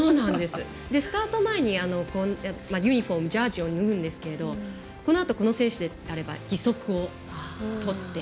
スタート前にユニフォームジャージを脱ぐんですけどこのあと、この選手であれば義足をとって。